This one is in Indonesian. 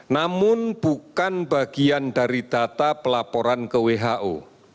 namun bukan bagian dari data pelaporan ke who